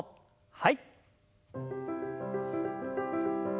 はい。